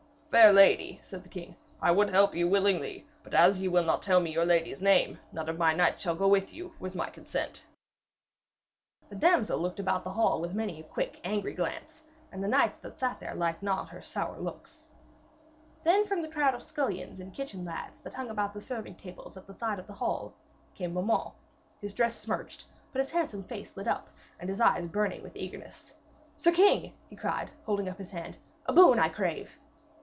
'Fair lady,' said the king, 'I would help you willingly, but as ye will not tell me your lady's name, none of my knights here shall go with you with my consent.' The damsel looked about the hall with a quick angry glance, and the knights that sat there liked not her sour looks. Then from the crowd of scullions and kitchen lads that hung about the serving tables at the side of the hall came Beaumains, his dress smirched, but his handsome face lit up and his eyes burning with eagerness. 'Sir king!' he cried, holding up his hand, 'a boon I crave!'